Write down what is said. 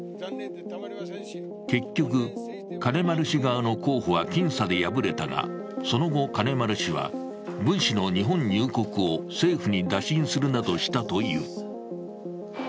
結局、金丸氏側の候補は僅差で敗れたが、その後、金丸氏は文氏の日本入国を政府に打診するなどしたという。